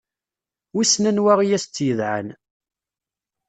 Wissen anwa i as-tt-yedɛan.